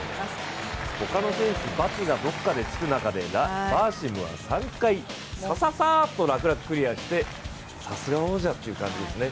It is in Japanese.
ほかの選手×がどこかでつく中でバーシムは３回、さささっと楽々クリアしてさすが王者という感じですね。